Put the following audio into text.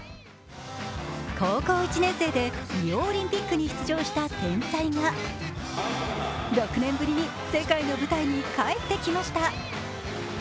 高校１年生でリオオリンピックに出場した天才が６年ぶりに世界の舞台に帰ってきました。